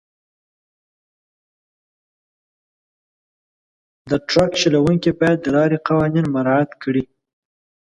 د ټرک چلونکي باید د لارې قوانین مراعات کړي.